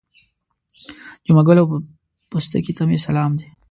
جمعه ګل او پستکي ته مې سلام دی.